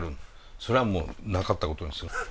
それはもうなかったことにする。